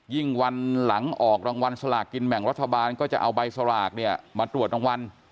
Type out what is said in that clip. วันหลังออกรางวัลสลากกินแบ่งรัฐบาลก็จะเอาใบสลากเนี่ยมาตรวจรางวัล